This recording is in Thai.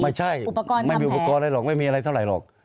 ไม่ใช่ไม่มีอุปกรณ์อะไรหรอกไม่มีอะไรเท่าไหร่หรอก